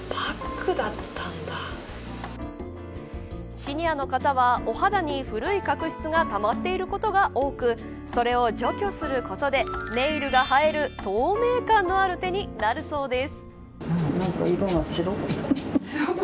シニアの方は、お肌に古い角質がたまっていることが多くそれを除去することでネイルが映える透明感のある手になるそうです。